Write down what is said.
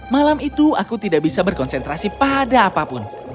malam itu aku tidak bisa berkonsentrasi pada apapun